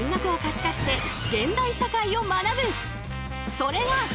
それが。